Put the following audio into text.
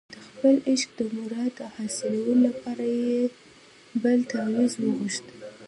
د خپل عشق د مراد د حاصلولو لپاره یې بل تاویز وغوښت.